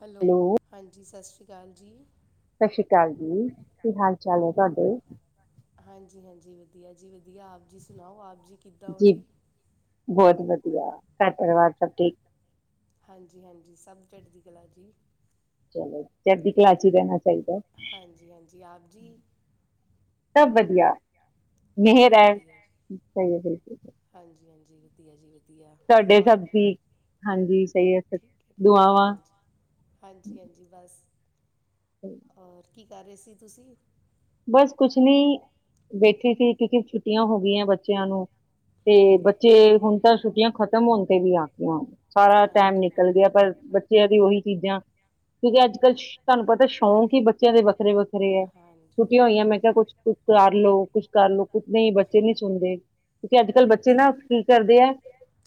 Hello, ਹਾਂਜੀ ਸਸ ਰੀ ਕਾਲ ਜੀ। ਸਸ਼ ਰੀ ਕਾਲ ਜੀ, ਕੀ ਹਾਲ-ਚਾਲ ਐ ਤੁਹਾਡੇ? ਹਾਂਜੀ-ਹਾਂਜੀ, ਵਧੀਆ ਜੀ ਵਧੀਆ, ਆਪ ਜੀ ਸੁਣਾਓ, ਆਪ ਜੀ ਕਿੱਦਾਂ ਹੋ ਜੀ ਬਹੁਤ ਵਧੀਆ, ਘਰ ਪਰਿਵਾਰ ਸਭ ਠੀਕ। ਹਾਂਜੀ-ਹਾਂਜੀ, ਸਭ ਚੜਦੀ ਕਲਾ ਜੀ। ਚਲੋ ਚੜਦੀ ਕਲਾ ਚੀ ਰਹਿਣਾ ਚਾਹੀਦਾ। ਹਾਂਜੀ-ਹਾਂਜੀ, ਆਪ ਜੀ ਸਭ ਵਧੀਆ, ਚਲੋ ਮਿਹਰ ਐ ਸਹੀ ਐ ਬਿਲਕੁਲ। ਹਾਂਜੀ-ਹਾਂਜੀ, ਵਧੀਆ ਜੀ। ਵਧੀਆ ਤੁਹਾਡੇ ਹੋਰ ਸਭ ਦੀ, ਹਾਂਜੀ ਸਹੀ ਐ ਦੁਆਵਾਂ। ਹਾਂਜੀ-ਹਾਂਜੀ, ਬਸ ਔਰ ਕੀ ਕਰ ਰਹੇ ਸੀ ਤੁਸੀਂ। ਬਸ ਕੁਛ ਨੀ ਬੈਠੀ ਤੀ, ਕਿਉਂਕਿ ਛੁੱਟੀਆਂ ਹੋ ਗਈਆਂ ਬੱਚਿਆਂ ਨੂੰ। ਤੇ ਬੱਚੇ ਹੁਣ ਤਾਂ ਛੁੱਟੀਆਂ ਖਤਮ ਹੋਣ ਤੇ ਵੀ ਆ ਗੀਆਂ। ਸਾਰਾ ਟੈਮ ਨਿਕਲ ਗਿਆ, ਪਰ ਬੱਚਿਆਂ ਦੀ ਉਹੀ ਚੀਜ਼ਾਂ ਕਿਉਂਕਿ ਅੱਜ-ਕੱਲ ਤੁਹਾਨੂੰ ਪਤਾ ਸ਼ੌਂਕ ਹੀ ਬੱਚਿਆਂ ਦੇ ਵੱਖਰੇ-ਵੱਖਰੇ ਐ। ਛੁਟੀਆ ਹੋਈਆਂ ਮੈਂ ਕਿਹਾ ਕੁਛ-ਕੁਛ ਕਰਲੋ, ਕੁੱਛ ਕਰਲੋ ਕੁੱਛ ਨਹੀਂ ਬੱਚੇ ਨੀ ਸੁਣਦੇ। ਕਿਉਂਕਿ ਅੱਜ-ਕੱਲ੍ਹ ਬੱਚੇ ਨਾ ਕੀ ਕਰਦੇ ਐ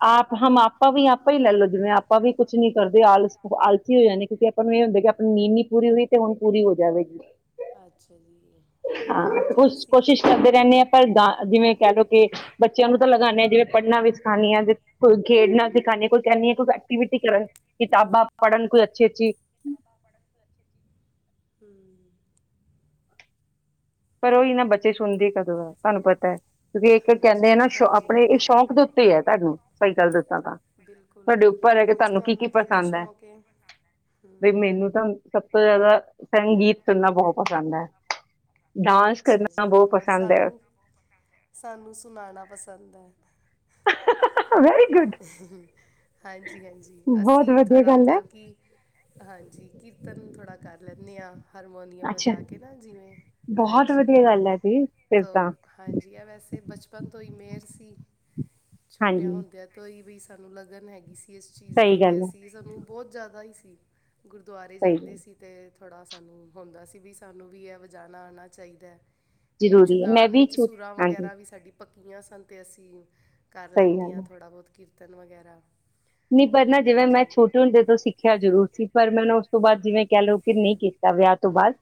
ਆਪ ਹਮ ਆਪਾਂ ਵੀ ਆਪਾਂ ਹੀ ਲੈ ਲਓ, ਜਿਵੇਂ ਆਪਾਂ ਵੀ ਕੁਛ ਨੀ ਕਰਦੇ ਆਲਸ ਆਲਸੀ ਹੋ ਜਾਣੇ ਆਂ, ਕਿਉਂਕਿ ਪਰ ਇਹ ਹੁੰਦਾ ਕਿ ਆਪਣੀ ਨੀਂਦ ਨੀ ਪੂਰੀ ਹੋਈ, ਤੇ ਹੁਣ ਪੂਰੀ ਹੋ ਜਾਵੇਗੀ। ਅੱਛਾ ਜੀ। ਨਹੀਂ ਹਾਂ ਇੰਝ ਕੋ ਅਸੀਂ ਕੋਸ਼ਿਸ਼ ਕਰਦੇ ਰਹਿੰਨੇ ਆਂ, ਪਰ ਗ ਜਿਵੇਂ ਕਹਿ ਲਓ ਕਿ ਬੱਚਿਆਂ ਨੂੰ ਤਾਂ ਲਗਾਣੇ ਆਂ, ਜਿਵੇਂ ਪੜ੍ਹਨਾ ਵੀ ਸਿਖਾਣੀ ਆਂ, ਕੋਈ ਖੇਡਣਾ ਸਿਖਾਂਣੀ ਆਂ, ਕੋਈ ਕਹਿੰਨੀ ਆਂ ਕੋਈ ਐਕਟੀਵਿਟੀ ਕਰਨ, ਕਿਤਾਬਾਂ ਪੜ੍ਹਨ ਕੋਈ ਅੱਛੀ-ਅੱਛੀ। ਹੂੰ। ਪਰ ਉਹੀ ਨਾ ਬੱਚੇ ਸੁਣਦੇ ਕਦੋਂ ਐ, ਤੁਹਾਨੂੰ ਪਤਾ। ਕਿਉਂਕਿ ਇੱਕ ਹਾਂਜੀ ਕਹਿੰਦੇ ਆ ਨਾ ਸ਼ ਹਾਂਜੀ ਆਪਣੇ ਇਹ ਹਾਂਜੀ ਸ਼ੌਂਕ ਦੇ ਉੱਤੇ ਐ, ਤੁਹਾਨੂੰ ਸਹੀ ਗੱਲ ਦੱਸਾਂ ਤਾਂ। ਤੁਹਾਡੇ ਉੱਪਰ ਬਿਲਕੁਲ-ਬਿਲਕੁਲ, ਹੈ ਕਿ ਉੰਜ ਕੀ ਕੀ ਤੁਹਾਨੂੰ ਕੀ-ਕੀ ਪਸੰਦ ਹੈ ਸ਼ੌਕ ਏ। ਬਈ ਮੈਨੂੰ ਤਾਂ ਸਭ ਤੋਂ ਜ਼ਿਆਦਾ ਸੰਗੀਤ ਸੁਣਨਾ ਬਹੁਤ ਪਸੰਦ ਐ। ਅੱਛਾ ਜੀ, ਹੋਰ ਪਸੰਦ ਹੈ ਸਾਨੂੰ-ਸਾਨੂੰ ਸੁਣਾਣਾ ਪਸੰਦ ਐ। Very good. ਹਾਂਜੀ, ਹਾਂਜੀ। ਬਹੁਤ ਅਸੀਂ ਵਧੀਆ ਥੋੜ੍ਹਾ ਗੱਲ ਹੈ ਮਤਲਬ ਕਿ ਹਾਂਜੀ ਕੀਰਤਨ ਥੋੜ੍ਹਾ ਕਰ ਲੈਂਦੇ ਹਾਂ ਹਾਰਮੋਨੀਅਮ ਅੱਛਾ ਵਜਾ ਕੇ ਨਾ ਜਿਵੇਂ ਬਹੁਤ ਹਾਂਜੀ ਵਧੀਆ ਗੱਲ ਹੈ ਜੀ ਫਿਰ ਤੋ ਤਾਂ। ਹਾਂਜੀ ਆ ਵੈਸੇ ਬਚਪਨ ਤੋਂ ਹੀ ਮਿਹਰ ਸੀ ਛੋਟਿਆਂ ਹਾਂਜੀ ਹੁੰਦਿਆਂ। ਤੋਂ ਹੀ ਬਈ ਸਾਨੂੰ ਲਗਨ ਹੈਗੀ ਸੀ ਇਸ ਚੀਜ਼ ਦੀ ਸਹੀ ਤੇ ਗੱਲ ਹੈ ਅਸੀਂ ਸਾਨੂੰ ਬਹੁਤ ਜ਼ਿਆਦਾ ਹੀ ਸੀ। ਗੁਰਦੁਆਰੇ ਸਹੀ ਜਾਂਦੇ ਗੱਲ ਸੀ। ਅਤੇ ਥੋੜ੍ਹਾ ਸਾਨੂੰ ਹੁੰਦਾ ਸੀ ਵੀ ਸਾਨੂੰ ਵੀ ਇਹ ਵਜਾਣਾ ਆਣਾ ਚਾਹੀਦਾ ਤੇ ਕੁਛ ਜ਼ਰੂਰੀ ਹੈ ਮੈਂ ਗਾਣ ਵੀ ਵਿੱਚ ਛੁ- ਸੁਰਾਂ ਹਾਂਜੀ ਵਗੈਰਾ ਵੀ ਸਾਡੀ ਪੱਕੀਆਂ ਸਨ ਅਤੇ ਅਸੀਂ ਕਰ ਸਹੀ ਲੈਂਦੇ ਗੱਲ ਹਾਂ, ਹੈ ਥੋੜ੍ਹਾ ਬਹੁਤ ਕੀਰਤਨ ਵਗੈਰਾ। ਨ ਪਰ ਨਾ ਜਿਵੇਂ ਹਾਂਜੀ ਮੈਂ ਛੋਟੀ ਝੁੰਡੇ ਤੋਂ ਸਿੱਖਿਆ ਜ਼ਰੂਰ ਸੀ ਪਰ ਮੈਂ ਨਾ ਉਸ ਤੋਂ ਬਾਅਦ ਜਿਵੇਂ ਕਹਿ ਲਓ ਕਿ ਨਹੀਂ ਕੀਤਾ ਵਿਆਹ ਤੋਂ ਬਾਅਦ।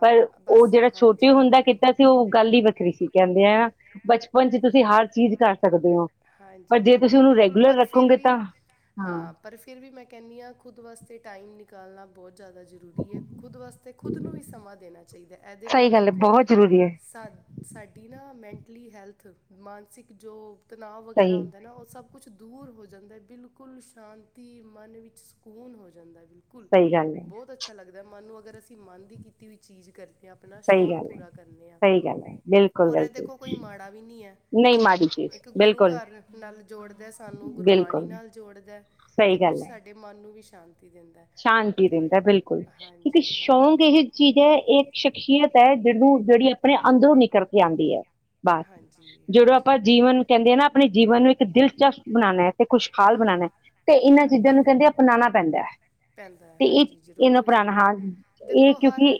ਪਰ ਉਹ ਬਸ ਜਿਹੜਾ ਹਾਂਜੀ ਛੋਟੀ ਛੋਟੇ ਹੁੰਦਾ ਹਾਂਜੀ ਕਿੱਤਾ ਸੀ ਉਹ ਗੱਲ ਹੀ ਵੱਖਰੀ ਸੀ। ਕਹਿੰਦੇ ਆ ਬਚਪਨ ਚ ਤੁਸੀਂ ਹਰ ਚੀਜ਼ ਕਰ ਸਕਦੇ ਹੋ ਪਰ ਹਾਂਜੀ ਜੇ ਤੁਸੀਂ ਬਿਲਕੁਲ ਉਹਨੂੰ ਬਿਲਕੁਲ ਰੈਗੂਲਰ ਪਰ ਫਿਰ ਰੱਖੋਗੇ ਵੀ ਤਾਂ ਹਾਂ ਪਰ ਫਿਰ ਵੀ ਮੈਂ ਕਹਿੰਦੀ ਹਾਂ ਖੁਦ ਵਾਸਤੇ ਟਾਈਮ ਨਿਕਾਲਣਾ ਬਹੁਤ ਜ਼ਿਆਦਾ ਜ਼ਰੂਰੀ ਹੈ ਖੁਦ ਵਾਸਤੇ। ਤੇ ਖੁਦ ਨੂੰ ਵੀ ਸਮਾਂ ਦੇਣਾ ਚਾਹੀਦਾ ਇਹਦੇ ਸਹੀ ਨਾਲ ਗੱਲ ਹੈ ਦੇਖੋ ਬਹੁਤ ਜ਼ਰੂਰੀ ਹੈ ਸਾ ਸਾਡੀ ਨਾ ਮੈਂਟਲੀ ਹੈਲਥ ਮਾਨਸਿਕ ਜੋ ਤਣਾਅ ਵਗੈਰਾ ਸਹੀ ਹੁੰਦਾ ਨਾ ਉਹ ਸਭ ਕੁਛ ਦੂਰ ਹੋ ਜਾਂਦਾ ਬਿਲਕੁਲ ਸ਼ਾਂਤੀ ਮਨ ਵਿੱਚ ਸਕੂਨ ਹੋ ਜਾਂਦਾ ਬਿਲਕੁਲ ਸਹੀ ਗੱਲ ਬਿਲਕੁਲ ਹੈ ਬਹੁਤ ਅੱਛਾ ਲੱਗਦਾ ਮਨ ਨੂੰ ਅਗਰ ਅਸੀਂ ਮਨ ਦੀ ਕੀਤੀ ਹੋਈ ਚੀਜ਼ ਕਰਦੇ ਹਾਂ। ਆਪਣਾ ਸਹੀ ਸ਼ੌਕ ਗੱਲ ਹੈ ਪੂਰਾ ਕਰਨੇ ਆ ਸਹੀ ਗੱਲ ਹੈ ਬਿਲਕੁਲ ਹੋਰ ਇਹ ਗਲਤੀ ਦੇਖੋ ਕੋਈ ਮਾੜਾ ਵੀ ਨੀ ਹੈ। ਨਹੀਂ ਮਾੜੀ ਚੀਜ਼ ਇੱਕ ਗੁਰੂ ਬਿਲਕੁਲ ਘਰ ਨਾਲ ਜੋੜਦਾ ਸਾਨੂੰ ਗੁਰਬਾਣੀ ਬਿਲਕੁਲ ਨਾਲ ਜੋੜਦਾ। ਤੇ ਸਹੀ ਗੱਲ ਕੁਝ ਹੈ। ਸਾਡੇ ਮਨ ਨੂੰ ਵੀ ਸ਼ਾਂਤੀ ਦਿੰਦਾ ਸ਼ਾਂਤੀ ਤੇ ਰਹਿੰਦਾ ਬਿਲਕੁਲ ਕਿਉਂਕਿ ਹਾਂਜੀ ਸ਼ੌਕ ਹਾਂਜੀ ਇਹ ਚੀਜ਼ ਹੈ ਇਹ ਸ਼ਖਸੀਅਤ ਜਿਹਨੂੰ ਜਿਹੜੀ ਆਪਣੇ ਅੰਦਰੋਂ ਨਿਕਲ ਕੇ ਆਉਂਦੀ ਹੈ ਬਾਹਰ ਹਾਂਜੀ ਹਾਂਜੀ ਜਦੋਂ ਆਪਾਂ ਹਾਂਜੀ ਜੀਵਨ ਕਹਿੰਦੇ ਆ ਨਾ ਆਪਣੇ ਜੀਵਨ ਨੂੰ ਇੱਕ ਦਿਲਚਸਪ ਬਣਾਣਾ। ਤੇ ਖੁਸ਼ਹਾਲ ਬਣਾਣਾ ਤੇ ਇਹਨਾਂ ਚੀਜ਼ਾਂ ਨੂੰ ਕਹਿੰਦੇ ਅਪਣਾਣਾ ਪੈਂਦਾ ਹੈ। ਪੈਂਦਾ ਤੇ ਇਹ ਹਾਂਜੀ ਇਹਨੂੰ ਜ਼ਰੂਰ ਅਪਣਾਉਣਾ ਜ਼ਰੂਰ ਹਾਂ ਇਹ ਦੇਖੋ ਹਰ ਕਿਉਂਕਿ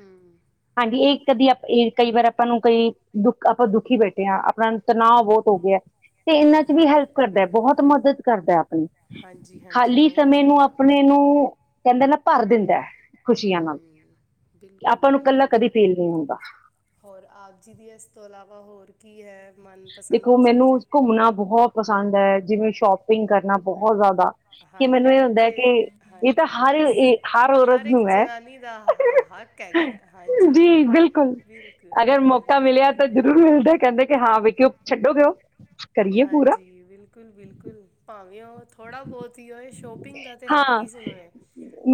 ਹਮ ਹਾਂਜੀ ਇਹ ਕਦੀ ਇਹ ਕਈ ਵਾਰ ਆਪਾਂ ਨੂੰ ਕਈ ਦੁੱਖ ਆਪਾਂ ਦੁਖੀ ਬੈਠੇ ਹਾਂ ਆਪਣਾ। ਤਣਾਅ ਬਹੁਤ ਹੋ ਗਿਆ ਤੇ ਇਹਨਾਂ ਚ ਵੀ ਹੈਲਪ ਕਰਦਾ ਬਹੁਤ ਮਦਦ ਕਰਦਾ ਆਪਣੀ ਹਾਂਜੀ ਹਾਂਜੀ ਖਾਲੀ ਬਹੁਤ ਸਮੇਂ ਨੂੰ ਜ਼ਿਆਦਾ। ਆਪਣੇ ਨੂੰ ਕਹਿੰਦੇ ਨਾ ਭਰ ਦਿੰਦਾ ਖੁਸ਼ੀਆਂ ਹੂੰ ਨਾਲ। ਬਿਲਕੁਲ ਆਪਾਂ ਨੂੰ ਇਕੱਲਾ ਬਿਲਕੁਲ ਕਦੀ ਜੀ ਫੀਲ ਨਹੀਂ ਹੁੰਦਾ ਹੋਰ ਆਪ ਜੀ ਦੀ ਇਸ ਤੋਂ ਇਲਾਵਾ ਹੋਰ ਕੀ ਹੈ। ਮਨਪਸੰਦ ਦੇਖੋ ਮੈਨੂੰ ਚੀਜ਼ ਘੁੰਮਣਾ ਬਹੁਤ ਪਸੰਦ ਹੈ, ਜਿਵੇਂ ਸ਼ੋਪਿੰਗ ਕਰਨਾ ਬਹੁਤ ਜ਼ਿਆਦਾ। ਕਿ ਹਾਂ ਮੈਨੂੰ ਇਹ ਪਸੰਦ ਹੁੰਦਾ ਕਿ ਹੈ। ਤੇ ਇਹ ਤਾਂ ਹਾਂਜੀ ਹਰ, ਇਸ ਹਰ ਔਰਤ ਇੱਕ ਨੂੰ ਹੈ। ਜਨਾਨੀ ਦਾ ਹ ਹੱਕ ਹੈਗਾ ਹੈ। ਹਾਂਜੀ ਜੀ ਬਿਲਕੁਲ ਬਿਲਕੁਲ ਅਗਰ ਹਾਂਜੀ ਮੌਕਾ ਹਾਂਜੀ ਮਿਲਿਆ ਤਾਂ ਮਿਲਦਾ ਕਹਿੰਦੇ ਕਿ ਹੈ, ਹਾਂ ਵਿਕਿਓ [unintelligible] ਛੱਡੋਗੇਓ ਹਾਂਜੀ ਬਿਲਕੁਲ ਬਿਲਕੁਲ ਭਾਵੇਂ ਉਹ ਥੋੜ੍ਹਾ ਬਹੁਤ ਹੀ ਹੋਏ ਸ਼ੋਪ ਪਿੰਗ ਦਾ ਤਾਂ ਹਰ ਹਾਂ ਕੀ ਸੇ ਨੂ ਹੈ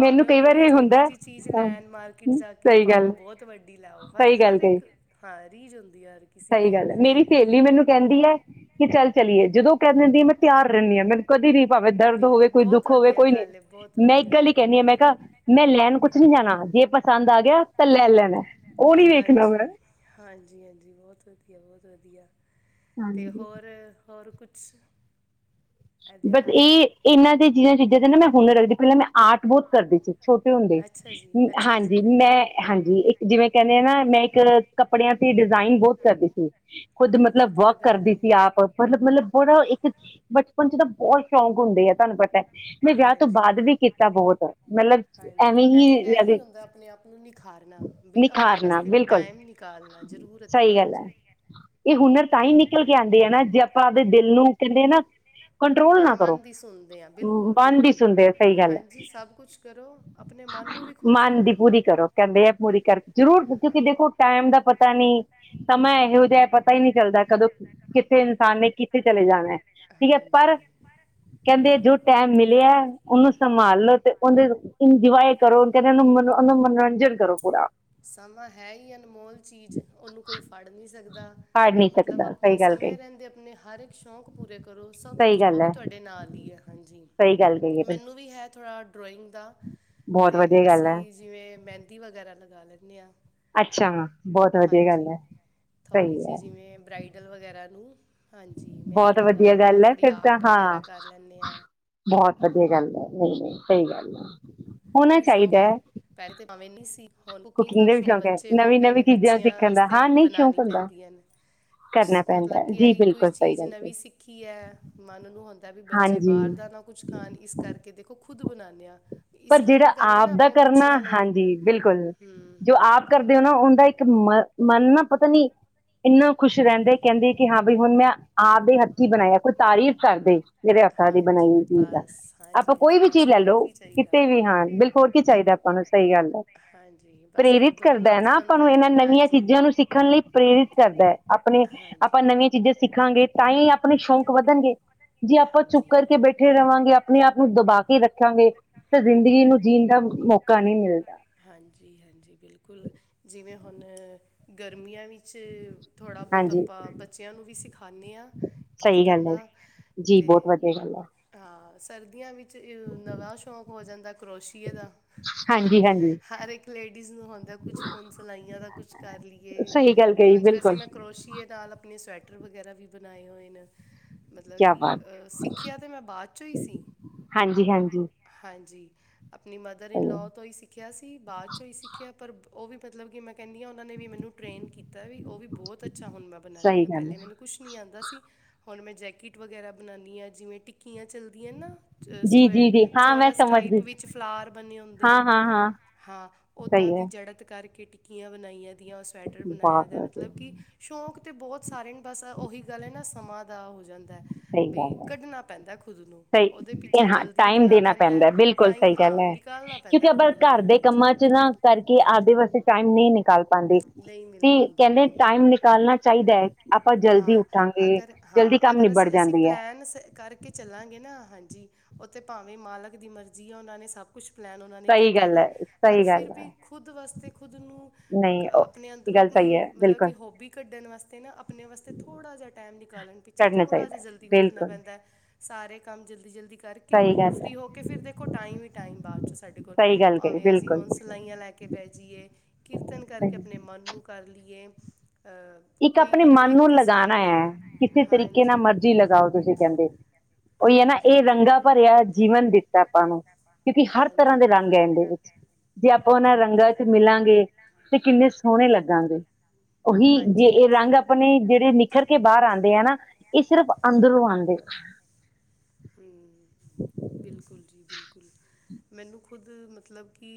ਮੈਨੂੰ ਉਹ ਕਈ ਵਾਰ ਕੋਈ ਇਹ ਹੁੰਦਾ ਛੋਟੀ ਹੈ, ਜਿਹੀ ਚੀਜ਼ ਅਹ, ਲੈਣ ਮਾਰਕੀਟ ਜਾ ਕੇ ਸਹੀ ਭਾਵੇਂ ਗੱਲ ਬਹੁਤ ਵੱਡੀ ਲੈਓ ਹਰ ਸਹੀ ਹਰ ਗੱਲ ਕਹੀ ਇੱਕ ਹਾਂ ਰੀਝ ਹੁੰਦੀ ਹੈ ਹਰ। ਕਿਸੇ ਦੀ ਸਹੀ ਗੱਲ ਐਵੇਂ ਤਾਂ ਮੇਰੀ ਸਹੇਲੀ ਮੈਨੂੰ ਕਹਿੰਦੀ ਹੈ ਕਿ ਚੱਲ ਚਲੀਏ ਜਦੋਂ ਕਹਿ ਦਿੰਦੀ ਮੈਂ ਤਿਆਰ ਰਹਿੰਦੀ ਹਾਂ ਮੈਨੂੰ ਕਦੇ ਨੀ ਭਾਵੇਂ ਨਹੀਂ ਦਰਦ ਹੋਵੇ ਪਤਾ ਬਿਲਕੁਲ ਕੋਈ ਬਹੁਤ ਦੁੱਖ ਹੋਵੇ ਵਧੀਆ ਕੋਈ ਨੀ ਗੱਲ ਹੈ ਬਹੁਤ ਮੈਂ ਇੱਕ ਵਧੀਆ ਗੱਲ ਹੀ ਹੈ ਕਹਿੰਦੀ ਹਾਂ ਮੈਂ ਕਿਹਾ। ਮੈਂ ਲੈਣ ਕੁਛ ਨੀ ਜਾਣਾ ਜੇ ਪਸੰਦ ਆ ਗਿਆ ਤਾਂ ਲੈ ਲੈਣਾ ਉਹ ਨੀ ਵੇਖਣਾ ਮੈਂ ਹਾਂਜੀ ਹਾਂਜੀ ਹਾਂਜੀ ਬਹੁਤ ਵਧੀਆ ਬਹੁਤ ਵਧੀਆ ਅਤੇ ਹਾਂਜੀ ਹੋਰ ਹੋਰ ਕੁਛ। ਇਹਦੇ ਬਸ ਇਲਾਵਾ ਇਹ ਇਹਨਾਂ ਦੇ ਜਿਆਂ ਚੀਜ਼ਾਂ ਤੇ ਨਾ ਮੈਂ ਹੁਨਰ ਰੱਖਦੀ ਪਹਿਲਾਂ ਮੈਂ ਆਰਟ ਬਹੁਤ ਕਰਦੀ ਸੀ ਛੋਟੇ ਹੁੰਦੇ ਅੱਛਾ ਜੀ ਅੱਛਾ ਜੀ ਹਾਂਜੀ ਮੈਂ ਹਾਂਜੀ ਇੱਕ ਜਿਵੇਂ ਕਹਿੰਦੇ ਨਾ ਮੈਂ ਇੱਕ ਕੱਪੜਿਆਂ ਦੀ ਡਿਜ਼ਾਇਨ ਬਹੁਤ ਕਰਦੀ ਸੀ। ਸੀ ਖੁਦ ਬਹੁਤ ਮਤਲਬ ਵਧੀਆ ਵਰਕ ਗੱਲ ਕਰਦੀ ਬਹੁਤ ਏ ਸੀ ਆਪ ਮਤਲਬ ਮਤਲਬ ਬੜਾ ਇੱਕ ਬਚਪਨ ਚ ਤਾਂ ਬਹੁਤ ਸ਼ੌਂਕ ਹੁੰਦੇ ਆ ਤੁਹਾਨੂੰ ਪਤਾ। ਮੈਂ ਵਿਆਹ ਤੋਂ ਬਾਅਦ ਵੀ ਕੀਤਾ ਬਹੁਤ ਮਤਲਬ ਹੈ ਹਾਂਜੀ ਐਵੇਂ ਕੀਤਾ ਇਹੀ ਹੀ ਲਗੇ ਬਈ ਆਪਣੇ ਵਾਸਤੇ ਵੀ ਟਾਈਮ ਨਿਕਾਲਣਾ ਜਰੂਰਤ ਸਹੀ ਗੱਲ ਹੈ ਹਾਂਜੀ। ਇਹ ਹੁਨਰ ਤਾਂ ਅ- ਹੀ ਨਿਕਲ ਕੇ ਆਉਂਦੇ ਹਨ ਨਾ ਜੇ ਆਪਾਂ ਆਪਦੇ ਦਿਲ ਨੂੰ ਕਹਿੰਦੇ ਨਾ ਕੰਟਰੋਲ ਆਪਣੇ ਨਾ ਕਰੋ ਮਨ ਦੀ ਸੁਣਦੇ ਆ ਬਿਲਕੁਲ ਮਨ ਵੀ ਬਿਲਕੁਲ ਸੁਣਦੇ ਆ ਸਹੀ ਸੁਣ ਗੱਲ ਹੈ। ਹਾਂਜੀ ਸਭ ਕੁਝ ਕਰੋ ਆਪਣੇ ਮਨ ਨੂੰ ਵੀ ਖੁਸ਼ ਮਾਨ ਦੀ ਪੂਰੀ ਕਰੋ। ਕਹਿੰਦੇ ਆ ਮੋਰੀ ਕਰਕੇ ਜ਼ਰੂਰ ਹਾਂ। ਕਿਉਂਕਿ ਦੇਖੋ ਟਾਈਮ ਦਾ ਪਤਾ ਨੀ ਸਮਾਂ ਇਹੋ ਜਿਹਾ ਪਤਾ ਹੀ ਨਹੀਂ ਚੱਲਦਾ ਕਦੋਂ ਕਿਸੇ ਇਨਸਾਨ ਨੇ ਕਿੱਥੇ ਜਾਣਾ ਹੈ ਚਲੇ ਠੀਕ ਹੈ ਪਰ ਜਾਨਾ। ਕਹਿੰਦੇ ਜੋ ਟੈਮ ਮਿਲਿਆ ਉਹਨੂੰ ਸੰਭਾਲ ਲੋ ਤੇ ਉਹਦੇ ਇੰਜੋਏ ਕਰੋ ਕਹਿੰਦੇ ਉਹ ਮ ਉਹ ਮਨੋਰੰਜਨ ਕਰੋ ਪੂਰਾ ਸਮਾਂ ਹੈ ਹੀ ਅਨਮੋਲ ਚੀਜ਼ ਉਹਨੂੰ ਕੋਈ ਫੜ ਨਹੀਂ ਸਕਦਾ। ਹਾਰ ਨਹੀਂ ਮਤਲਬ ਸਕਦਾ ਆਪਣੇ ਸਹੀ ਗੱਲ ਕਹੀ ਸਮੇਂ ਰਹਿੰਦੇ ਆਪਣੇ ਹਰ ਇੱਕ ਸ਼ੌਂਕ ਪੂਰੇ ਕਰੋ। ਸਭ ਸਹੀ ਕੁਛ ਉਹ ਗੱਲ ਵੀ ਹੈ ਤੁਹਾਡੇ ਨਾਲ ਹੀ ਹੈ ਹਾਂਜੀ ਸਹੀ ਗੱਲ ਕਹੀ ਹੈ ਬਿਲਕੁਲ ਮੈਨੂੰ ਵੀ ਹੈ ਥੋੜ੍ਹਾ ਡਰੋਇੰਗ ਦਾ। ਬਹੁਤ ਅਤੇ ਵਧੀਆ ਗੱਲ ਅਸੀਂ ਹੈ। ਜਿਵੇਂ ਮਹਿੰਦੀ ਵਗੈਰਾ ਲਗਾ ਲੈਂਦੇ ਹਾਂ ਅੱਛਾ ਬਹੁਤ ਵਧੀਆ ਹਾਂਜੀ ਗੱਲ ਹੈ ਥੋੜ੍ਹੀ ਸਹੀ ਜਿਹੀ ਹੈ ਜਿਵੇਂ ਬਰਾਈਟ। ਡ ਵਗੈਰਾ ਨੂੰ ਹਾਂਜੀ ਮਹਿੰਦੀ ਬਹੁਤ ਲਗਾ ਵਧੀਆ ਲੈਂਦੇ ਹਾਂ ਗੱਲ ਹੈ ਥੋੜ੍ਹੀ ਫਿਰ ਤਾਂ ਆਰਟ ਵਗੈਰਾ ਹਾਂ ਕਰ ਲੈਂਦੇ ਹਾਂ ਬਹੁਤ ਵਧੀਆ ਗੱਲ ਹੈ ਸਹੀ ਗੱਲ ਹੈ। ਹੋਣਾ ਵੀ ਸ਼ੌਕ ਚਾਹੀਦਾ ਹੈ ਪੈਰੇ ਤੇ ਮਾਵੇਂ ਨੀ ਹਨ ਕੁਕਿੰਗ ਦਾ ਵੀ ਵਿ ਸ਼ੌਂਕ ਹੈ ਬੱਚੇ ਹੋ ਨਵੀਂ ਗਏ ਨੇ ਨਵੀਂ ਚੀਜ਼ਾਂ ਬੱਚਿਆਂ ਸਿੱਖਣ ਦਾ ਵਾਸਤੇ ਹਾਂ ਨਹੀਂ ਬਣਾਣੀ ਸ਼ੌਂਕ ਹੁੰਦਾ ਪੈਂਦੀਆਂ ਹਨ ਸ ਕਰਨਾ ਪੈਂਦਾ ਮਤਲਬ ਹੈ। ਕਿ ਜੀ ਇਹੀ ਕੋਈ ਬਿਲਕੁਲ ਸਹੀ ਚੀਜ਼ ਗੱਲ ਹੈ ਨਵੀਂ ਸਿੱਖੀ ਹੈ ਮਨ ਨੂੰ ਹੁੰਦਾ ਵੀ ਬੱਚੇ ਹਾਂਜੀ ਬਾਹਰ ਦਾ ਨਾ ਕੁਛ। ਖਾਣ ਇਸ ਕਰਕੇ ਦੇਖੋ ਖੁਦ ਬਣਾਉਂਦੇ ਹਾਂ। ਪਰ ਜਿਹੜਾ ਆਪ ਦਾ ਕਰਨਾ ਹਾਂਜੀ ਬਿਲਕੁਲ ਹੂੰ ਜੋ ਆਪ ਕਰਦੇ ਹੋ ਨਾ ਉਹਦਾ ਇੱਕ ਮ ਮਨ ਨਾ ਪਤਾ ਨੀ ਇੰਨਾ ਖੁਸ਼ ਰਹਿੰਦੇ ਕਹਿੰਦੇ ਕਿ ਹਾਂ ਬਈ ਹੁਣ ਮੈਂ ਆਪ ਦੇ ਹੱਥੀਂ ਬਣਾਇਆ ਕੋਈ ਤਾਰੀਫ਼ ਕਰਦੇ। ਜਿਹੜੇ ਹੱਥਾਂ ਦੀ ਹਾਂਜੀ ਬਣਾਈ ਚੀਜ਼ ਆ ਬਸ ਹਾਂਜੀ ਆਪਾਂ ਹਾਂਜੀ ਕੋਈ ਵੀ ਬਸ ਚੀਜ਼ ਲੈ ਹੋਰ ਲਓ ਕੀ ਚਾਹੀਦਾ ਕਿਤੇ ਵੀ ਹਾਂ ਬਿਲਕੁਲ ਕੀ ਚਾਹੀਦਾ ਆਪਾਂ ਨੂੰ ਸਹੀ ਗੱਲ ਆ। ਹਾਂਜੀ ਬਸ ਇੱਕ ਪ੍ਰੇਰਿਤ ਦੋ ਕਰਦਾ ਹੈ ਲਫ਼ਜ਼ ਨਾ ਆਪਾਂ ਬੰਦਾ ਨੂੰ ਹੈ ਇਹਨਾਂ ਨਵੀਆਂ ਹਾਂਜੀ ਚੀਜ਼ਾਂ ਨੂੰ ਸਿੱਖਣ ਲਈ ਪ੍ਰੇਰਿਤ ਕਰਦਾ ਹੈ। ਆਪਣੇ ਆਪਾਂ ਹਾਂਜੀ ਨਵੀਆਂ ਚੀਜ਼ਾਂ ਸਿੱਖਾਂਗੇ ਤਾਂ ਹੀ ਆਪਣੇ ਸ਼ੌਂਕ ਵਧਣਗੇ। ਜੇ ਆਪਾਂ ਚੁੱਪ ਹਾਂਜੀ ਕਰਕੇ ਬੈਠੇ ਰਹਾਂਗੇ, ਆਪਣੇ ਆਪ ਨੂੰ ਦਬਾ ਕੇ ਰੱਖਾਂਗੇ। ਤੇ ਹੂੰ ਜ਼ਿੰਦਗੀ ਨੂੰ ਜੀਣ ਦਾ ਮੌਕਾ ਨਹੀਂ ਮਿਲਦਾ। ਹਾਂਜੀ, ਹਾਂਜੀ ਬਿਲਕੁਲ ਜਿਵੇਂ ਹੁਣ ਗਰਮੀਆਂ ਵਿੱਚ ਵਿੱਚ ਥੋੜ੍ਹਾ ਬਹੁਤ ਹਾਂਜੀ ਆਪਾਂ ਬੱਚਿਆਂ ਨੂੰ ਵੀ ਸਿਖਾਉਂਦੇ ਹਾਂ ਸਹੀ ਕੀਰਤਨ ਗੱਲ ਹੈ ਦਾ। ਜੀ ਬਹੁਤ ਵਧੀਆ ਤੇ ਗੱਲ ਹੈ। ਹਾਂ ਸਰਦੀਆਂ ਵਿੱਚ ਨਵਾਂ ਸ਼ੌਂਕ ਹੋ ਜਾਂਦਾ ਕਰੋਸ਼ੀਏ ਦਾ। ਹਾਂਜੀ ਹਾਂਜੀ ਹਰ ਇੱਕ ਲੇਡੀਜ਼ ਨੂੰ ਆਉਂਦਾ ਕੁਛ ਔਨ ਸਿਲਾਈਆਂ ਦਾ ਕੁਛ ਕਰ ਲਈਏ। ਸਹੀ ਗੱਲ ਅਤੇ ਕਹੀ ਜਿਵੇਂ ਵੈਸੇ ਬਿਲਕੁਲ ਮੈਂ ਕਰੋਸ਼ੀਏ ਨਾਲ ਆਪਣੇ ਸਵੈਟਰ ਵਗੈਰਾ ਵੀ ਬਣਾਏ ਹੋਏ ਨੇ। ਮਤਲਬ ਕਿਆ ਕਿ ਬਾਤ ਸਿੱਖਿਆ ਤਾਂ ਮੈਂ ਬਾਅਦ ਚੋਂ ਹੀ ਸੀ। ਹਾਂਜੀ ਹਾਂਜੀ ਹਾਂਜੀ ਆਪਣੀ ਮਦਰ ਇਨ ਸਹੀ ਲੋਅ ਹੈ ਤੋਂ ਹੀ ਸਿੱਖਿਆ ਸੀ ਬਾਅਦ ਚ ਹੀ ਸਿੱਖਿਆ ਪਰ ਉਹ ਵੀ ਮਤਲਬ ਕਿ ਮੈਂ ਕਹਿੰਦੀ ਹਾਂ ਉਹਨਾਂ ਨੇ ਵੀ ਮੈਨੂੰ ਟਰੇੇਨ ਕੀਤਾ ਵੀ ਉਹ ਵੀ ਬਹੁਤ ਅੱਛਾ ਹੁਣ ਮੈਂ ਬਣਾਉਂਦੀ ਸਹੀ ਹਾਂ ਗੱਲ ਪਹਿਲੇ ਹੈ ਮੈਨੂੰ ਕੁਛ ਨੀ ਆਉਂਦਾ ਸੀ। ਹੁਣ ਮੈਂ ਜੈਕਿਟ ਵਗੈਰਾ ਬਣਾਉਂਦੀ ਹਾਂ ਜਿਵੇਂ ਟਿਕ ਕਿਆਂ ਚਲਦੀਆਂ ਨਾ ਜੀ ਸੁਕੇਅਰ ਜੀ ਜੀ ਹਾਂ ਮੈਂ ਚੋਰਸ ਸਮਝ ਗਈ ਟਾਈਪ ਵਿੱਚ ਫਲਾਰ ਬਣੇ ਹੁੰਦੇ ਹਾਂ ਨੇ। ਹਾਂ ਹਾਂ ਹਾਂ ਓਦਾਂ ਸਹੀ ਦੀ ਹੈ ਜੜਤ ਕਰਕੇ ਟਿੱਕੀਆਂ ਬਣਾਈਆਂ ਦੀਆਂ ਉਸ ਸਵੈਟਰ ਬਣਾਇ ਬਹੁਤ ਦਾ ਵਧੀਆ ਮਤਲਬ ਕਿ ਸ਼ੌਂਕ ਤਾਂ ਬਹੁਤ ਸਾਰੇ ਨੇ ਬਸ ਉਹੀ ਗੱਲ ਹੈ ਨਾ ਸਮਾਂ ਦਾ ਹੋ ਜਾਂਦਾ। ਸਹੀ ਗੱਲ ਬਈ, ਹੈ ਕੱਢਣਾ ਪੈਂਦਾ ਖੁਦ ਨੂੰ। ਸਹੀ, ਉਹਦੇ ਪਿੱਛੇ ਹਾਂ ਜਲਦੀ ਟਾਈਮ ਉੱਠਣਾ ਦੇਣਾ ਪੈਂਦਾ, ਹੈ ਬਿਲਕੁਲ ਟਾਈਮ ਸਹੀ ਗੱਲ ਹਾਂ ਹੈ। ਨਿਕਾਲਣਾ ਕਿਉਂਕਿ ਪੈਂਦਾ ਆਪਾਂ ਖੁਦ ਘਰ ਲਈ ਦੇ ਹਾਂਜੀ ਕੰਮਾਂ ਚ ਹਾਂਜੀ ਨਾ, ਕਰਕੇ, ਆਪਦੇ ਵਾਸਤੇ ਟਾਈਮ ਨਹੀਂ ਨਿ ਕਾਲ ਪਾਉਂਦੇ, ਨਹੀਂ ਮਿਲ ਤੇ ਪਾਉਂਦਾ ਕਹਿੰਦੇ ਹਾਂਜੀ ਟਾਈਮ, ਨਿਕਾਲਨਾ ਚਾਹੀਦਾ ਹੈ। ਆਪਾਂ ਜਲਦੀ ਹਾਂ ਉੱਠਾਂ ਅਗਰ, ਹਾਂ ਅਗਰ ਅਸੀਂ-ਅਸੀਂ ਪਲੈਨ ਸ ਕਰਕੇ ਚੱਲਾਂਗੇ ਨਾ, ਹਾਂਜੀ! ਉੱਥੇ ਭਾਵੇਂ ਮਾਲਕ ਦੀ ਮਰਜੀ ਆ। ਉਹਨਾਂ ਨੇ ਸਭ ਕੁਛ ਪਲੈਨ, ਉਹਨਾਂ ਨੇ ਸਹੀ ਕੀਤਾ ਗੱਲ ਦਾ ਹੈ। ਪਰ ਸਹੀ ਗੱਲ ਫਿਰ ਹੈ ਵੀ ਖੁਦ ਵਾਸਤੇ, ਖੁਦ ਨੂੰ ਨਹੀਂ ਉਹ ਆਪਣੇ ਇਹ ਅੰਦਰੋਂ, ਗੱਲ ਸਹੀ ਕੋਈ ਹੈ ਮਤਲਬ ਬਿਲਕੁਲ ਕਿ ਹੋਬੀ ਕੱਢਣ ਵਾਸਤੇ, ਆਪਣੇ ਵਾਸਤੇ ਥੋੜ੍ਹਾ ਜਿਹਾ, ਟਾਈਮ ਨਿਕਾਲਣ ਪ ਪਿੱਛੇ ਕਰਨਾ ਥੋੜਾ ਚਾਹੀਦਾ ਜਿਹਾ, ਹੈ ਜਲਦੀ ਉੱਠਣਾ ਬਿਲਕੁਲ ਪੈਂਦਾ, ਸਾਰੇ ਕੰਮ ਜਲਦੀ-ਜਲਦੀ ਕਰਕੇ, ਸਹੀ ਗੱਲ ਹੈ ਫ੍ਰੀ ਹੋ ਕੇ ਫਿਰ ਦੇਖੋ, ਟਾਈਮ ਹੀ ਟਾਈਮ ਬਾਅਦ ਚ, ਸਾਡੇ ਕੋਲ। ਸਹੀ ਗੱਲ ਕਹੀ ਭਾਵੇਂ, ਅਸੀਂ ਬਿਲਕੁਲ ਉਹ ਸਹੀ। ਸਿਲਾਈਆਂ ਲੈ ਕੇ, ਬਹਿ ਜਾਈਏ ਕੀਰਤਨ ਕਰਕੇ, ਆਪਣੇ ਮਨ ਨੂੰ ਕਰ ਲਈਏ ਅ ਇੱਕ ਕੋਈ ਆਪਨੇ, ਮਨ ਇੱਕ ਨੂੰ ਕਿਸਮ ਲਗਾਉਨਾ ਨਾਲ ਹੈ। ਕਿਸੇ ਤਰੀਕੇ ਨਾਲ ਹਾਂਜੀ ਮਰਜੀ ਲਗਾਓ ਤੁਸੀ, ਕਹਿੰਦੇ। ਉਹੀ ਹੈ ਨਾ, ਹਾਂਜੀ ਇਹ ਰੰਗਾ ਬਿਲਕੁਲ ਭਰਿਆ ਜੀਵਨ ਦਿੱਤਾ ਆਪਾਂ ਨੂੰ ਕਿਉਂਕਿ, ਹਰ ਤਰ੍ਹਾਂ ਹਾਂਜੀ ਦੇ ਰੰਗ ਹੈਂ, ਇਨਦੇ ਵਿੱਚ। ਜੇ ਆਪਾਂ, ਉਹਨਾਂ ਰੰਗਾਂ ਚ ਮਿਲਾਂਗੇ, ਤੇ ਕਿੰਨੇ ਸੋਹਣੇ ਲੱਗਾਂਗੇ। ਉਹੀ ਜੇ, ਹਾਂਜੀ ਇਹ ਹਾਂਜੀ ਰੰਗ ਆਪਣੇ ਜਿਹੜੇ ਨਿਖਰ ਕੇ, ਬਾਹਰ ਆਂਦੇ ਆ ਨਾ, ਇਹ ਸਿਰਫ ਅੰਦਰੋਂ ਆਂਦੇ। ਹੂੰ, ਬਿਲਕੁਲ ਜੀ ਬਿਲਕੁਲ। ਮੈਨੂੰ, ਖੁਦ ਮਤਲਬ ਕਿ,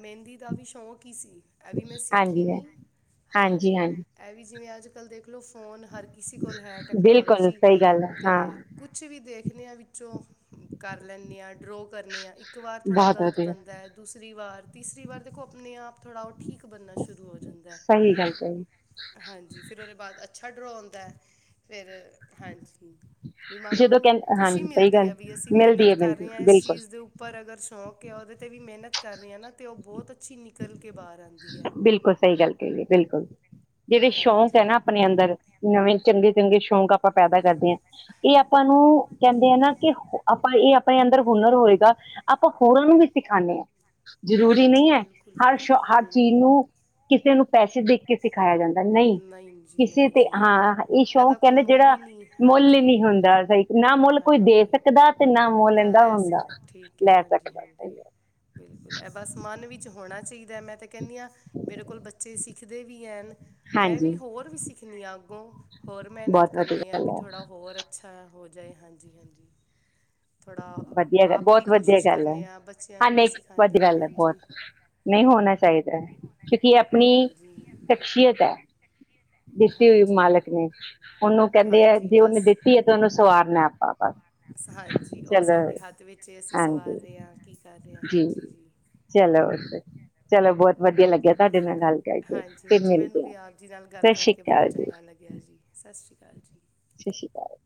ਮਹਿੰਦੀ ਦਾ ਵੀ ਸ਼ੌਕ ਹੀ ਸੀ। ਐ, ਵੀ ਮੈਂ ਸਿੱਖੀ ਹਾਂਜੀ ਹੈ ਨੀ, ਹਾਂਜੀ। ਇਹ ਵੀ ਜਿਵੇਂ, ਅੱਜ ਕੱਲ ਦੇਖ ਲਓ, ਫ਼ੋਨ ਹਰ ਕਿਸੀ ਕੋਲ ਹੈ ਬਿਲਕੁਲ ਟੈਕਨੋਲੋਜੀ। ਸਹੀ ਗੱਲ ਹੈ ਤੇ ਹਾਂ ਕੁ ਕੁਛ ਵੀ, ਦੇਖ ਲਿਆ ਵਿੱਚੋਂ ਕਰ ਲੈਨੀ ਆ, ਡਰਾਅ ਕਰਨੀ ਆ, ਇੱਕ ਵਾਰ ਥੋੜ੍ਹਾ ਬਹੁਤ ਗਲਤ ਵਧੀਆ ਬਣਦਾ, ਦੂਸਰੀ ਵਾਰ ਤੀਸਰੀ ਵਾਰ, ਦੇਖੋ ਆਪਣੇ ਆਪ, ਥੋੜ੍ਹਾ ਉਹ ਠੀਕ ਬਣਨਾ ਸ਼ੁਰੂ ਹੋ ਜਾਂਦਾ। [unintelligible] ਹਾਂਜੀ, ਫਿਰ ਉਹਦੇ, ਬਾਅਦ ਅੱਛਾ ਡਰਾਅ ਹੁੰਦਾ ਫਿਰ, ਹਾਂਜੀ। ਵੀ ਮਨ ਜਦੋਂ ਨੂੰ, ਕਹਿੰ ਖੁਸ਼ੀ ਹਾਂਜੀ ਸਹੀ ਮਿਲਦੀ ਗੱਲ ਹੈ। ਵੀ ਅਸੀ ਮਿਲਦੀ ਮਿਹਨਤ ਹੈ ਕਰ ਮਿਲਦੀ ਹੈ, ਰਹੇ ਹਾਂ, ਇਸ ਬਿਲਕੁਲ ਚੀਜ਼ ਦੇ ਉਪ ਪਰ ਅਗਰ ਸ਼ੌਂਕ ਆ, ਉਹਦੇ ਤੇ ਵੀ ਮਿਹਨਤ ਕਰ ਰਹੀ ਹਾਂ ਨਾ। ਤੇ ਉਹ ਬਹੁਤ ਅੱਛੀ ਨਿਕਲ ਕੇ ਬਾਹਰ ਆ ਬਿਲਕੁਲ, ਸਹੀ ਗੱਲ ਕਹੀ ਏ। ਬਿਲਕੁਲ, ਜਿਹੜੇ ਸ਼ੌਂਕ ਹੈਂ ਹਾਂਜੀ ਨਾ, ਅਪਨੇ ਅੰਦਰ, ਨਵੇਂ ਚੰਗੇ- ਚੰਗੇ ਸ਼ੌਕ, ਆਪਾਂ ਪੈਦਾ ਕਰਦੇ ਹਾਂ। ਇਹ ਆਪਾਂ ਨੂੰ, ਕਹਿੰਦੇ ਏਂ ਨਾ, ਕਿ ਆਪਾਂ, ਇਹ ਆਪਨੇ ਅੰਦਰ ਹੁਨਰ ਹੋਏਗਾ। ਆਪਾਂ ਹੋਰਾਂ ਨੂੰ ਵੀ ਸਿਖਾਉਂਨੇਂ ਆਂ। ਜਰੂਰੀ ਹਾਂਜੀ ਨਹੀਂ ਹੈ, ਬਿਲਕੁਲ ਹਰ ਸ਼ੋ, ਹਰ ਹੂੰ ਚੀਜ਼ ਨੂੰ ਕਿਸੇ ਨੂੰ, ਪੈਸੇ ਦੇ ਕੇ ਸਿਖਾਇਆ ਜਾਏ। ਨਹੀਂ, ਜੀ ਕਿਸੇ ਨਹੀਂ ਤੇ ਜੀ ਹਾਂ, ਇਹ ਇਹਦਾ ਸ਼ੌਕ ਏ ਕੋਈ ਨਾ ਮੁੱਲ ਜਿਹੜਾ, ਹੀ ਨਹੀਂ ਮੁੱਲ ਹੀ ਹਾਂਜੀ ਨਹੀਂ ਹੁੰਦਾ। ਨਾ ਮੁੱਲ ਕੋਈ ਦੇ ਸਕਦਾ ਤੇ, ਨਾ ਹਾਂਜੀ ਮੁੱਲ ਇਹਦਾ ਲੈ ਹੁੰਦਾ ਸਕਦੇ ਠੀਕ ਹੈ ਲੈ ਹਾਂਜੀ ਸਕਦਾ, ਸਹੀ ਹਾਂਜੀ ਗੱਲ ਐ। ਬਿਲਕੁਲ, ਇਹ ਬਸ ਮਨ ਵਿੱਚ ਹੋਣਾ ਚਾਹੀਦਾ। ਮੈਂ ਤੇ ਕਹਿੰਦੀ ਹਾਂ, ਮੇਰੇ ਕੋਲ ਬੱਚੇ ਸਿੱ ਖਦੇ, ਵੀ ਹੈ ਨ ਮੈਂ ਵੀ ਹਾਂਜੀ ਹੋਰ ਵੀ, ਸਿੱਖਨੀ ਆਂ ਅੱਗੋਂ, ਹੋਰ ਮਿਹਨਤ ਬਹੁਤ ਵਧੀਆ ਕਰਨੀ ਆ। ਗੱਲ ਬਈ ਹੈ ਥੋੜ੍ਹਾ ਹੋਰ ਅੱਛਾ ਹੋ ਜਾਏ, ਹਾਂਜੀ- ਹਾਂਜੀ। ਥੋੜਾ ਵਧੀਆ ਗੱਲ, ਆਪ ਵੀ ਬਹੁਤ ਵਧੀਆ ਕੋਸ਼ਿਸ਼ ਗੱਲ ਐ, ਕਰਨੇ ਆ ਬੱਚਿਆਂ ਹਾਂ ਨੂੰ ਵੀ ਨਹੀਂ ਸਿਖਾਉਂਦੇ ਵਧੀਆ ਆ ਗੱਲ ਐ, ਬਹੁਤ। ਹਾਂਜੀ ਨਹੀਂ ਹੋਣਾ ਚਾਹੀਦਾ ਕਿਉਂਕਿ ਇਹ ਅਪਨੀ ਹਾਂਜੀ ਸ਼ਖਸੀਅਤ ਹੈ। ਦਿੱਤੀ ਹੋਈ ਹਾਂਜੀ ਮਾਲਿਕ ਨੇ। ਉਹਨੂੰ ਕਹਿੰਦੇ ਹੈ, ਹਾਂਜੀ ਜੇ ਉਹਨੇ ਬਸ ਦਿੱਤੀ ਹੈ, ਤੇ ਉਹਨੂੰ ਸਵਾਰਨਾ ਆਪਾਂ। ਬਸ ਹਾਂਜੀ, ਉਹ ਚਲੋ ਸਾਡੇ ਹੱਥ ਵਿੱਚ ਹੈ, ਅਸੀਂ ਸਵਾਰ ਹਾਂਜੀ ਰਹੇ ਹਾਂ, ਕੀ ਕਰ ਰਹੇ ਹਾਂ, ਹਾਂਜੀ ਜੀ। ਚਲੋ, ਚਲੋ ਬਹੁਤ ਵਧੀਆ ਲੱਗਿਆ, ਤੁਹਾਡੇ ਨਾਲ ਗੱਲ ਕਰਕੇ। ਹਾਂਜੀ ਫਿਰ ਹਾਂਜੀ ਮੈਨੂੰ ਮਿਲਦੇ ਆਂ। ਵੀ ਆਪ ਜੀ ਗੱਲ -ਗੱਲ ਕਰਕੇ, ਬਹੁਤ ਚੰਗਾ ਲੱਗਿਆ ਜੀ, ਸਤਿ ਸ਼੍ਰੀ ਅਕਾਲ ਜੀ। ਸਤਿ ਸ਼੍ਰੀ ਅਕਾਲ।